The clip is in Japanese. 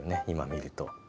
今見ると。